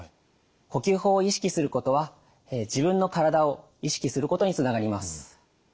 呼吸法を意識することは自分のからだを意識することにつながります。